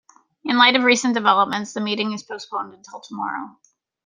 In light of recent developments, the meeting is postponed until tomorrow.